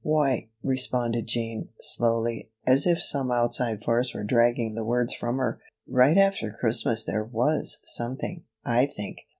"Why," responded Jean, slowly, as if some outside force were dragging the words from her, "right after Christmas there was something, I think.